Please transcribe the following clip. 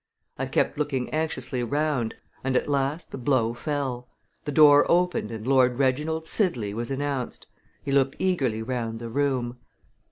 I kept looking anxiously round and at last the blow fell! The door opened and Lord Reginald Sidley was announced. He looked eagerly round the room.